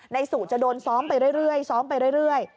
นายสุจะโดนซ้อมไปเรื่อยซ้อมไปเรื่อย